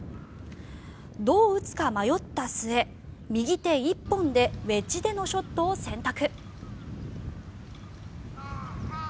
どう打つか迷った末、右手１本でウェッジでのショットを選択。